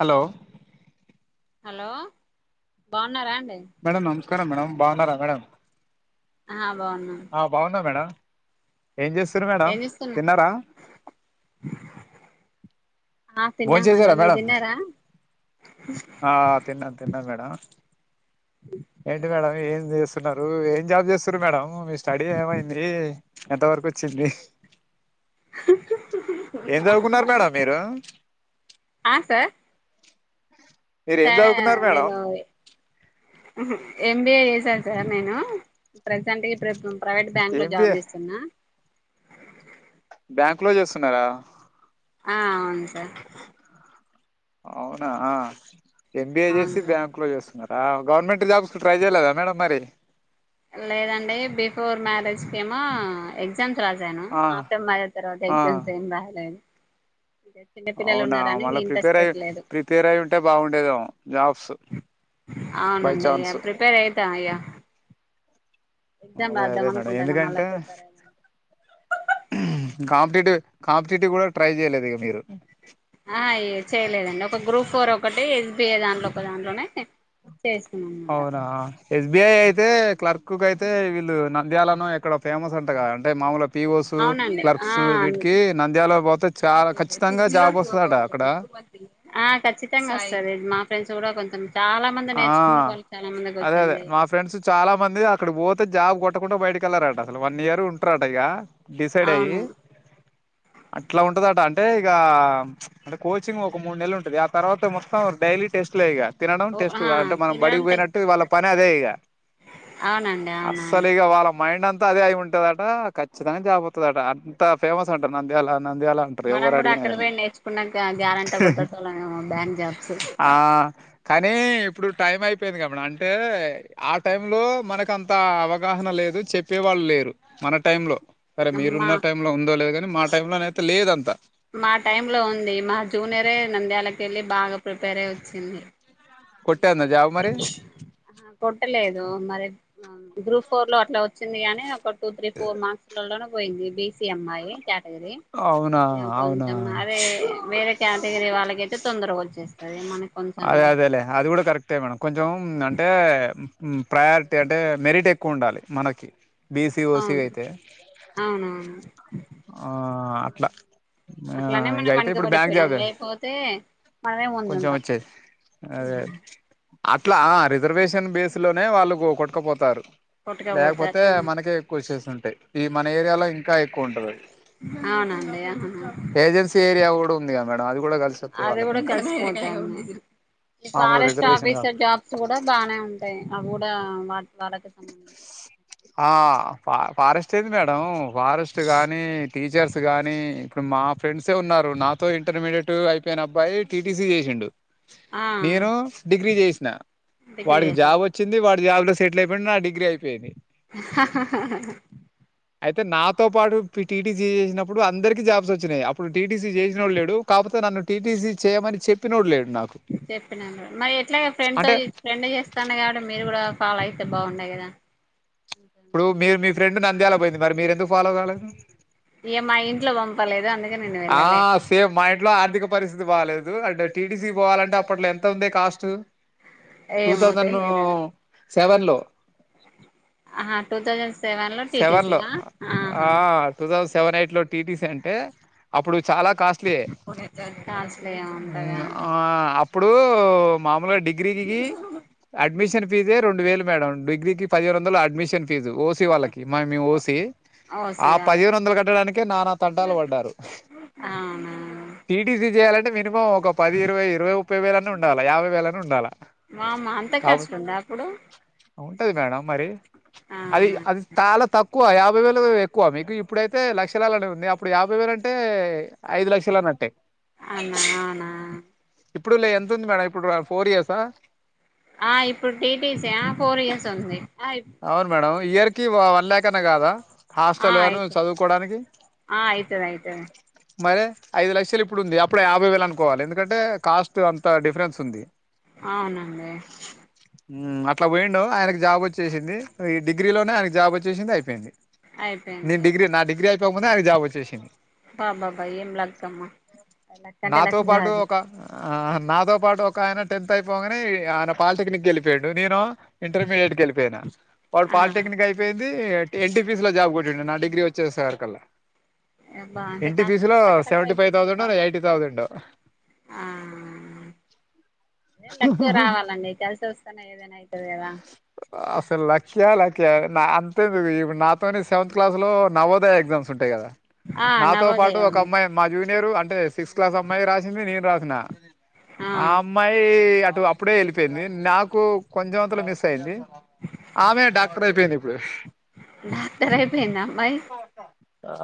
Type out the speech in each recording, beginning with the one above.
Hello hello బావున్నారా అం madam నమస్ కారం మేడం బావున్నారా మేడం ఆ బాగున్నాం ఆ బాగునా మేడం ఏం చేస్తుండ్రు మేడం ఏం చేస్తున్నా తిన్నారా ఆ భోన్ తిన్నాము అండి చేసారా మీరు మేడం తిన్నారా ఆ తిన్నను తిన్నాను మేడం ఏంటి మేడం ఏ చేస్తున్నారు ఏం జాబ్ చేస్తురు మేడం మీ స్టడీ ఏమైంది ఎంతవరకు వచ్చింది ఏం చదువుకున్నారు మేడం మీరు ఆ సార్ మీరు ఏం సార్ చదువుకున్నారు మేడం ఎంబీఏ చేసాను సార్ నేను ప్రజెంట్ ప్రైవేట్ బ్యాంక్ లో జాబ్ ఎంబిఏ చేస్తున్నా బ్యాంకు లో చేస్తున్నారా ఆ అవును సార్ అవునా ఎంబీఏ అవును చేసి సార్ బ్యాంక్ లో చేస్తున్నారు ఆ గవర్నమెంట్ జాబ్స్ ట్రై చేయలేదా మేడంమ్ మరి లేదండి బిఫోర్ మ్యార కేమా ఎగ్జామ్స్ రాసాను ఆ ఆఫ్టర్ మ్యారేజ్ తర్వాత ఆ ఎగ్జామ్స్ ఏం రాయలేదు చిన్న పిల్లలు అవునా ఉన్నారని మల్లా ఇంట్రెస్ట్ ప్రిపేర్ అయి పెట్టలేదు ప్రిపేర్ అయి ఉంటే బాగుందేమో జాబ్స్ బై అవునండి ఇక చాన్స్ ప్రిపేర్ అవుతాం ఇక ఎగ్జామ్ రాద్దాం అనుకుంటాన మళ్ళా ఎందుకంటే ప్రిపేర్ అయి కాంపిటేటివ్ కాంపిటేటివ్ కూడా ట్రై చేయలేదు ఇక మీరు ఆ అ చేయలేదండి ఒక గ్రూప్ ఫోర్ ఒకటి ఎస్బిఐ దాంట్లో ఒక దాంట్లోనే చేసుకున్నాం అనమాట అవునా ఎస్బిఐ అయితే క్లర్క్ ఎక్కువయితే వీళ్ళు నంద్యాలను ఎక్కడ ఫేమస్ అంట కద అంటే మామూలుగా అవునండి నంద్యాల పోతే చాలా ఖచ్చితంగా జాబ్ వస్తదట అక్కడ ఖచ్చితంగా ఓస్థాధి మా ఫ్రెండ్ కూడా కొంత ఆ అదే అదే వచ్చింది మా ఫ్రెండ్స్ చాలా మంది అక్కడికి పోతే జాబ్ కొట్ట కొట్టకుండా బయటకి వెళ్లరట అసలు వన్ ఇయర్ ఉంటరాట ఇక డిసైడ్ అవును అయ అట్లా ఉంటందట అంటే అంటే ఇక అంటే కోచింగ్ ఒక మూడు నెలలు ఉంటుంది ఆ తర్వాత మొత్తం డైలీ టెస్ట్ లే ఇగ తినడం ఓ ఆ సుగ అంటే మనం తినడం టెస్ట్ బడికిపోయినట్టు వాళ్ళ పెట్టడం పని అదే ఇగా అవునండి అవునవును అస్సలు ఇగ వాళ్ళ మైండ్ అం త్త అదే అయ్యి ఉంటదట ఖచ్చితంగా జాబ్ వోస్తాదట. అంత ఫేమస్ అంట నంద్యాల నంద్యాల అంటారు మనం ఎవరు కూడా అడిగినా అక్కడ గాని పోయి నేర్చుకున్నాక గ్యారంటీ కొట్టేటోల్లం ఏమో బ్యాంక్ జాబ్స్ ఆ కానీ ఇప్పుడు టైం అయిపోయింది. గా మేడం అంటే ఆ టైంలో మనకు అంత అవగాహన లేదు చెప్పే వాళ్ళు లేరు మన టైంలో సరే మా మీరున్న టైం లో ఉందో లేదు కాని మా టైం లో నైతే లేదం మా టైమ్ లో ఉంది మా జూనియరే నంద్యాలకు ఏళ్ళి బాగా ప్రిపేర్ అయ్యి వోచ్చింది. కొట్టేందా అమ్మాయి జాబ్ మరి ఆహా కొట్టలేద్ మరి గ్రూప్ ఫోర్లో అట్లా వోచ్చింది. గానీ ఒకట్ టూ త్రీ ఫోర్ మార్కులల్లోనో పోయింది. బీసీ అమ్మాయి కేటగిరీ అవునా అవునా ఇంకొంచం అదే వేరే కేటగిరీ వాళ్ళకి అయి తే తొందర వచ్చు చేస్తాదీ మనకు కొంచెం ట్టే మేడం కొంచెం అంటే ఉమ్ ప్రయారిటీ అంటే మెరిట్ ఎక్కువ ఉండాలి. మనకి బీసీ ఓసీ అవును అయితే అవునవును ఆ ఆ అట్లా ఆ అట్లానే ఇక మనం అయితే వెనుక ఇప్పుడు బ్యాంక్ పడిపోయినం జాబే లేపోతే కొంచెం వచ్చేది. అదే అట్లా ఆ రిజర్వేషన్ కానీ బేస్ లోనే వాళ్ళు కో కొట్కపోతారు. కొట్టుకపోతారు లేకపోతే మనకే ఎక్కువ వోచ్చేసి ఉంటాయి. ఈ మన ఏరియాలో ఇంకా ఎక్కువ ఉంటది ఆది. అవునండి అవును ఏజెన్సీ ఏరియా కూడా ఉందిగా మేడం అది కూడా కలిసి వస్తుంది అది వాళ్ళకి కూడా ఇంకా కలిసిపోతుంది. ఈ మామూలు ఫారెస్ట్ రిజర్వేషన్ కాకుండా ఆఫీసర్ జాబ్స్ కూడా బానే ఉంటాయి. అవి కూడా వాట్ వాళ్ళకు స్ ఆ ఫ ఫారెస్ట్ ఏంది మేడం ఫారెస్ట్ గాని టీచర్స్ గాని ఇప్పుడు మా ఫ్రెండ్సే ఉన్నారు. నాతో ఇంటర్మీడియట్ అయిపోయిన అబ్బాయి టీటీసీ చేసిండు. ఆ నేను డిగ్రీ చేసి నా డిగ్రీ వాడికి జాబ్ చేసారు వొచ్చింది. వాడి మీ ఆల్డు సెటిల్ అయిపోయిండా అండి గ్ అయిపోయింది అయితే నాతో పాటు టీటీసీ చేసినప్పుడు అందరికి జాబ్స్ వచ్చినాయి అప్పుడు టీటీసీ చేసినోడు లేడు కాకపోతే నన్ను టీటీసీ చేయమని చెప్పినోడు లేడు నాకు చెప్పినాను మరి ఎట్లాగే ఫ్రెండ్ తో అంటే ఫ్రెండ్ చేస్తాను కాబట్టి మీరు కూడా పాల అయితే బాగుండయి కదా అకాే మె నంద్యాల పోయింది మరి మీరు ఎందుకు ఫాలో కాలేదు ఏ మా ఇంట్లో పంపలేదు అందు ఆ సేమ్ మా ఇంట్లో ఆర్థిక పరిస్థితి ది బాలేదు అంటే టీటీసీ పోవాలంటే అప్పట్లో ఎంత ఉంది కాస్ట్ టూ ఏమో థౌసండ్ సెవెన్లో ఆ టూ థౌజండ్ సెవెన్ లో సెవెన్ టిటిసి లో న ఆ ఆహా టూ థౌజండ్ సెవెన్ ఎయిట్ లో టీటీసీ అంటే అప్పుడు చాలా కాస్ట్లీ కాస్ట్లీ గా ఉంటదా అప్పుడు మామూలుగా డిగ్రీకి అడ్మిషన్ ఫీజే రెండు వేలు మేడం డిగ్రీకి పదిహేను వందల అడ్మిన్ జు ఓసి వాళ్ళకి మ మేం ఓసి ఓసి ఆ వాళ్ళకి పదిహేను వందలు కట్టడానికే నానా తంటాలు పడ్డారు అవునా టీటీసి చేయాలంటే మినిమం ఒక పది ఇరవై ఇరవై ముప్పై వేలన్న ఉండాలా యాభై వేలన్న ఉండాలా వామ్మో అంత కాబ కాస్ట్ ఉందా అప్పుడు ఉంటది మేడం మరి అది అవునా అది తాలా తకు ఎక్కువ యాభై వేలు ఎక్కువ మీకు ఇప్పుడైతే లక్షలాలనే ఉంది అప్పుడు యాభై వేలు అంటే అంటే ఐదు లక్షల అన్నట్టే అవునా అవునా ఇప్పుడు లే ఎంత ఉంది మేడం ఇప్పుడు ఫోర్ ఇయర్సా ఆ ఇప్పుడు టీటీసియా ఫోర్ ఇయర్స్ ఉంది ఆ అవును మేడం ఫోర్ ఇయర్ ఇయర్స్ కి వన్ లాక్ కన కాదా ఆ హాస్టల్ ను అయితది చదువుకోవడానికి ఆ అయితది అయితది మరి ఐదు లక్షలు ఇప్పుడుంది అప్పుడు యాభై వేలు అనుకోవాలి ఎందుకంటే కాస్ట్ అంత డిఫరెన్స్ ఉంది అవునండి అట్లా పోయండు ఆయనకి జాబ్ వచ్చ చ్చేసింది ఈ డిగ్రీలోనే ఆయన జాబ్ వచ్చేసింది అయిపోయింది అయిపోయింది నేన్ డిగ్రీ నా డిగ్రీ అయి ముందే ఆయనకి జాబ వచ్చేసింది అబ్బ అబ్బ అబ్బ ఏం లక్కమ్మా లక్ అంటే నాతో లక్ పాటు కాదు ఒక ఆ నాతో పాటు ఒక ఆయన టెన్త్ అయిపోగానే ఆయన పాలిటెక్నిక్ కెళ్ళిపోయిమ్డు నేను ఇంటర్మీడియట్ కెల్లిపో పొయినా వాడు ఆ పాలిటెక్నిక్ అయిపోయింది ఎన్టీపిస్ లో జాబ్ కొట్టిండు నా డగ్రీ వచ్చే సారికల్లా ఆ టాస్కులు టక టక [unintelligible] ఫైవ్ అయిపోయినాయి థౌసండ్ ఎయిటీ థౌసండ్ ఆ లక్ రావాలండి కలిసి వస్తు ఏదైనా అయితది కదా అసలు లక్కియా లక్కియా అంతెందుకు ఇపుడు నాతోనే సెవంత్ క్లాస్లో నవోదయ ఎగ్జామ్స్ ఉంటాయి కదా ఆ నాతో పాటు నవోదయ ఒక ఉంది అమ్మాయి మా జూ పేరు అంటే సిక్స్త్ క్లాస్ అమ్మాయి రాసింది నేను రాసిన ఆ అమ్మాయి అటు అప్పుడే వెళ్ళిపోయింది నాకు కొంచెం అంత మిస్ స్సయింది ఆమెడాక్టర్ అయిపోయింది ఇప్పుడు డాక్టర్ అయిపోయిందా అమ్మాయి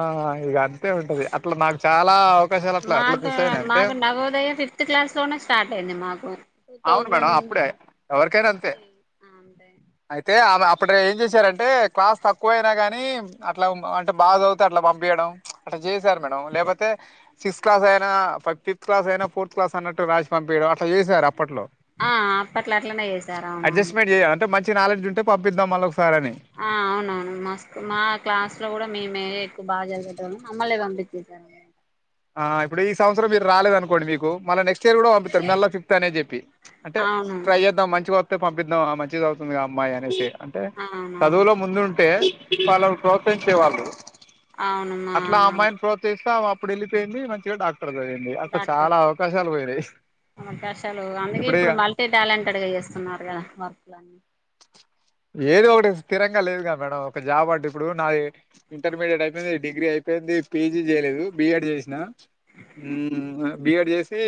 ఆ ఇది అంతే ఉంటది అట్లా నాకు చాలా అవకాశాలు అట్లా అట్లా మాకు మిస్ అయినా అంటే మాకు నవోదయ ఫిఫ్త్ క్లాస్ లోనే స్టార్ట్ అయింది మాకు ఆ టూ అవును మేడం థౌసండ్ అప్పుడే ఎవరికైనా అంతే [inaudible] అంటే అయితే ఆమె అప్పుడు ఏం చేశారంటే క్లాస్ తక్కువ అయినా గాని అట్లా అంటే బాగచదివితే అట్లా పంపీయడం అ చేసారు మేడం లేకపోతే సిక్స్ క్లాస్ అయినా ఫిఫ్త్ క్లాస్ అయినా ఫోర్త్ క్లాస్ అన్నట్టు రాసి పంపీయడం అట్ల చేసారు అప్ పట్లో ఆ అప్పట్లా అట్లనే చేసారు అవునవును అడ్జస్ట్మెంట్ చేయాలి అంటే మంచి నాలెడ్జ్ ఉంటే పంపిద్దాం మళ్ళీ ఒకసారి అని ఆ అవునవును మా స్కూ మా క్లాస్ లో కూడా మేమే ఎక్కువ బాగా చదివేటోలం మమ్మల్నే పంపించి ఇ [inaudible] ఆ ఇప్పుడు ఈ సంవత్సరం మీరు రాలేదు అనుకోండి మీకు మళ్ళ నెక్స్ట్ కూడా పంపుతారు మల్ల ఫిఫ్త్ అనే చెప్పి అంటే అవును ట్రై చేద్దాం మంచిగా తే పంపిద్దాం ఆ మంచిగ చదువుతుందిగ ఆ అమ్మాయి అనేసి అంటే అవునవును చదువులో ముందు ఉంటే వాళ్ళని ప్రోత్సహించేవాళ్ళు అవును మా అట్లా అమ్మాయిని ప్రోత్సహిస్తా ఇప్పుడెళ్ళియింది మంచిగా డాక్టర్ డాక్టర్ చాలా అవకాశాలు పోయినాయి అవకాశాలు అందుకే ఇప్పుడు మల్టీ టాలెంటెడ్గా చేస్తున్నారు కదా వర్క్లని ఏది ఒకటి స్థిరంగా లేదు క మేడం ఒక జాబ్ అంటు ఇప్పుడు నాది ఇంటర్మీడియట్ అయిపోయింది డిగ్రీ అయిపోయింది పీజీ చేయలేదు బిఎడ్ చేసిన ఉ బిఎడ్ చేసి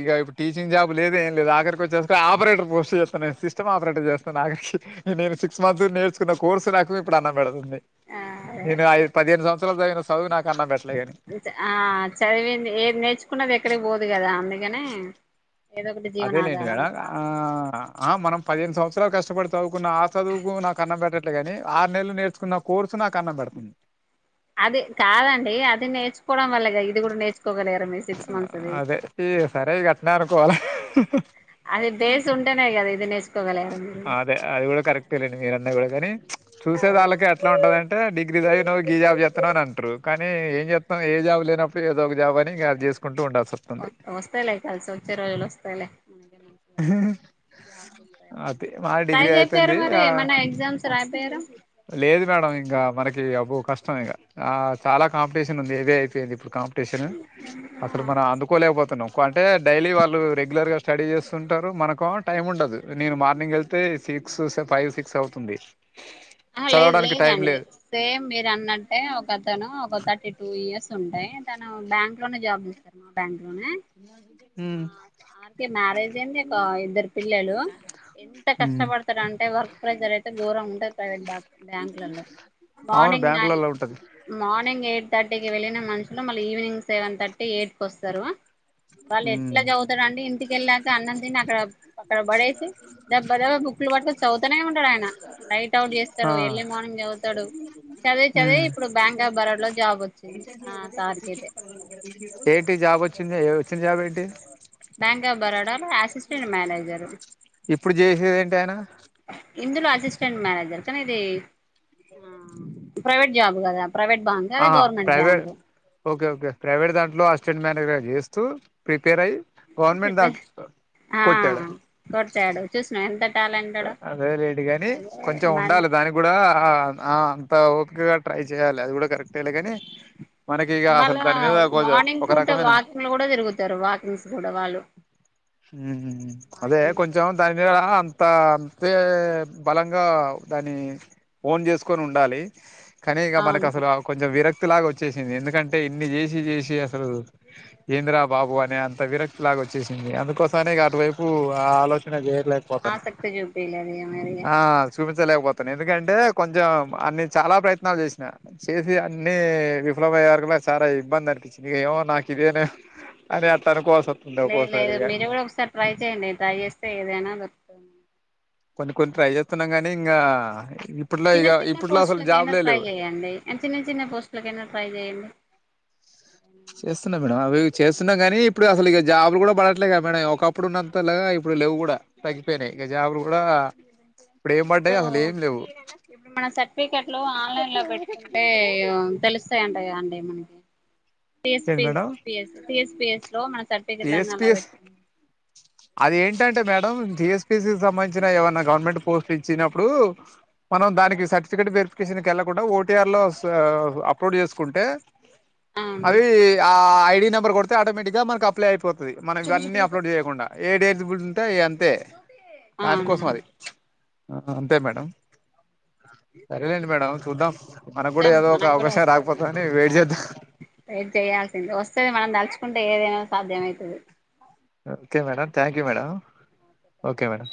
ఇక ఇప్పుడు టీచింగ్ జాబ్ లేదు ఏం లేదు ఆఖరికి వచ్చేసి ఆపరేటర్ పోస్ట్ చేస్తున్న నేను సిస్టమ్ ఆపరేటర్ చేస్తున్న ఆఖరికి నేను సిక్స్ మంత్స్ నేర్చున్న కోర్సు నాకు ఇప్పుడు అన్నమ్ పెడుతుంది ది. ఆ నేను ఐదు, పదిహేను సంవత్సరాలు చదివిన స్కూ. చదువు నాక్. ను చ ఆ చదివింది, ఏది నేర్చుకున్నది ఎక్కడికి పోదు కదా అండి. గానే. అదేలేండి మేడం, ఆ ఆ మనం పదిహేను సంవత్సరాల్. ఎంతో కష్టపడి చదువుకున్న ఆ చదువుకు నాకు అన్నం పెట్టట్లేగాని, ఆరు నెలలు నేర్చుకున్న కోర్సు నాకు అన్నం పెడుతుంది. అది కాదండి, అది నేర్చుకోవడం వల్లేగా ఇద్. అది కూడా నేర్చకోగల్గాలి. ఆ అదే ఇగ సరే ఇగ అట్నీ అనుకోవాలే. అది బేస్ ఉంటేనే కదా ఇది నేర్చుకోగలిగారు మీరు అదే అది కూడా కరెక్ట్ లేండి మీరన్నద్. [unintelligible] గాని. చూసే అదే దాల్లకే అట్లా ఉంటదాంటే డిగ్రీ చదివినవ్, గీజాబ్ జెత్హ్. [unintelligible] అంటారు కానీ ఏం చేస్తాం ఏ జాబ్ లేనప్పుడు ఏదో ఒక జాబ్ అని. చేసుకుంటూ ఉంటాం. ఓ ఓస్తాయి లే కల్సి ఓచ్చే రోజుల్ ఓస్తాయి లే. అది మా ట్రై డిగ్రీ జేపియ్యారు అయిపోయింది మరి ఆ ఏమైనా ఎగ్జామ్స్ రాపియ్యారు. లేదు మేడం ఇంకా మనకి అబ్బో కష్టం ఇగా, ఆ చాలా కాంపిటీషన్ ఉంది. ఇదే అయిపోయింది ఇప్పుడు కాం. టేషన్ అసలు మనం అందుకోలేకపోతున్నాం. ఎక్కువ అంటే డైలీ వాళ్ళు రెగ్యులర్గా స్టడీ చేస్తుంటారు. మనకో టైం ఉండదు, నేను మార్నింగ్ వెళ్తే సిక్స్, ఫైవ్, సిక్స్ అవుతుంది. ఆహా లేదు చదవడానికి టైం లేదండి, లేదు సేమ్ మీర్ అన్నట్టే ఒక అతను ఒక థర్టీ టూ ఇయర్స్. ఉంటాయి. తను బ్యాంక్ లోనే జాబ్ చేస్తారు, మా బ్యాంక్ లోనే. ఉహుమ్. ఆ స అంటే మ్యారేజ్ అయింది. ఒక ఇద్దరు పిల్లలు. ఎంత ఉమ్ కష్టపడతాడంటే వర్క్ ప్రెజర్ అయితే గోరం ఉంటది ప్రైవేట్ బ బ్యాంకులల్లో. అవును మార్నింగ్ నైన్, బ్యాంకులలో ఉంటది మార్నింగ్ ఎయిట్. థర్టీకి వెళ్ళిన మనుషులు, మళ్ళీ ఈవినింగ్ సెవెన్ థర్టీ, ఎయిట్ కి వస్తారు. వాళ్ళు ఉమ్ ఎట్లా చదువుతారండి, ఇంటికెళ్ళాక అన్నం తిని అక్కడ ప. ఇక్కడ పడేసి, దబ్బ దబ్బ బుక్కులు పట్టుకొని చదువుతానే ఉంటాడు ఆయన నై. టావుట్ చేస్తాడు, ఆ ఎర్లీ మార్నింగ్ చదువుతాడు. చదివి చదివి, ఉమ్ ఇప్పుడు బ్యాంక్ ఆఫ్ బరోడ్ లో జాబ్ ఓచ్చింది. ఆ సార్ కైతే. ఏంటి జాబ్ ఓచ్చింది, ఏ ఓచ్చినా జాబ్ ఏంటి. బ్యాంక్ ఆఫ్ బరోడా లో, అసిస్టెంట్ మేనేజరు. ఇప్పుడు చేసేది ఏంటి ఆయనా. ఇందులో అసిస్టెంట్ మేనేజర్, కానీ ఇది ఆ ప్రైవేట్ జాబ్ కదా. ప్రైవేట్ బాంక్, అదే ఆహా government private bank. Okay private దాంట్లో అసిస్టెంట్ మేనేజర్గా చేస్తూ ప్రిపేర్ అయ్యి గవర్నమెంట్ దాంట్లో ఆ కొట్టాడు కొట్టాడు చూసిన ఎంత టాలెంటెడో అదే లేదు గాని అదే కొంచెం మళ్ ఉండాలి దాని కూడా అంత ఓపికగా ట్రై చేయాలి అది కూడా కరెక్టేలే కాని మనకి ఇక అసలు మళ్ళా దాని మీద కొంచెం మార్నింగ్ ఒక పూట రకమైన వాకింగ్లు కూడా తిరుగుతారు వాకింగ్స్ కూడా వాళ్ళు అదే వాకింగ్స్ కొంచెం దాని మీద అంత తే బలంగా దాన్ని ఓన్ చేసుకొని ఉండాలి కాని ఇగమనకు అవును అసలు అ కొంచం విరక్ క్తి లాగా వచ్చేసింది ఎందుకంటే ఇన్ని చేసి చేసి అసలు ఎంద్రాబాబు అనే అంత విరక్తి లాగా వచ్చేసింది అందుకు కోసారి అటువైపు ఆ ఆలోచన చే ఆసక్తి చూపిలేదేయ మరి లేకపోతును ఎందుకంటే కొంచెం అన్ని చాలా ప్రయత్నాలు చేసిన చేసి అన్ని విఫలమయే వారికు చాలా ఇబ్బంది అనిపించింది ఇక ఏమో నాకు ఇదినే అని అట్లనుకోవాలసతాంది ఒక్కొక్కసారి ఇగ రి ట్రై చేయండి టడ్రై చేస్తే ఏదైనా దొరుకుతుంది కొన్ని కొన్ని ట్రై చేస్తున్నాం గానీ ఇంకా ఇప్పట్లో చిన్న ఇక చిన్న ఇప్పట్లో అసలు పోస్ట్లకై నా జాబ్లే ట్రై లేవు చేయండి చిన్న చిన్న పోస్టులకైనా ట్రై చేయండి [inaudible] డం అవి చేస్తున్నాం కానీ ఇప్పుడు అసలు ఇక జాబు కూడా పడట్లే క మ ఒకప్పుడు ఉన్నంతలాగా ఇప్పుడు లేవు కూడా తగగిపోయినాయి ఇక జాబ్ లు ఇప్పుడు ఏం లేవు ఇప్పుడు మన సర్టిఫికెట్లు ఆన్లైన్ లో పెట్టుకుంటే తెలుస్తాయింట అండి మనకి టి ఎస్ ఏంది P madam S P S లో మన సెర్టిఫికే [unintelligible] అదేంటంటే madam T S P S సంబంధించిన ఏమై గవర్నమెంట్ పోస్ట్ పించినప్పుడు మనం దానికి సర్టిఫికేట్ వెరిఫికేషన్ వెళ్ళకుండా ఓటిఆర్ లో అప్లోడ్ చేసుకుంటే అవును అవి ఆఐ డి నంబర్ కొడితే ఆటోమటిక్గా మకు అప్లయి పోతది మనం ఇవన్నీ అప్లోడ్ చేయకుండా [unintelligible] అంతే దానికోసం అవునవును అది అంతే మేడం సరేలేండి మేడం చూద్దాం మనకు కూడా చూద్దాం ఏదో ఒక మనకు కూడా అవకాశం వస్తది రాకపోతే అని వెయిట్ వస్ చేద్దాం ట్రై చేయాల్సింది వస్తది మనం దలుచు కుంటే ఏదేనా సాధ్యమవుతది ఓకే మేడం అంతే థ్యాంక్ యూ మేడం కదా ఓకే మేడం